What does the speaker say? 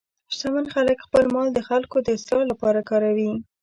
شتمن خلک خپل مال د خلکو د اصلاح لپاره کاروي.